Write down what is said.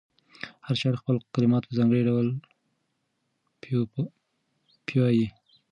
هر شاعر خپل کلمات په ځانګړي ډول پیوياي.